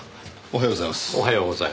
おはようございます。